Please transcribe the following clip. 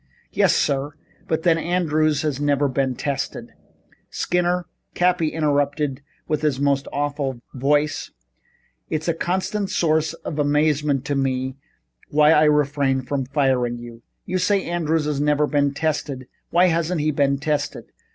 "Yes sir, but then Andrews has never been tested " "Skinner," Cappy interrupted in his most awful voice, "it's a constant source of amazement to me why I refrain from firing you. You say Andrews has never been tested. Why hasn't he been tested?